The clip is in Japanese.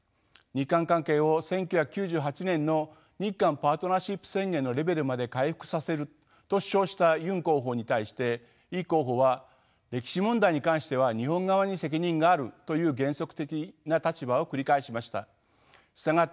日韓関係を１９９８年の日韓パートナーシップ宣言のレベルまで回復させると主張したユン候補に対してイ候補は歴史問題に関しては日本側に責任があるという原則的な立場を繰り返しました。